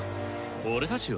俺たちを？